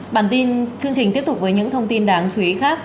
bản tin chương trình tiếp tục với những thông tin đáng chú ý khác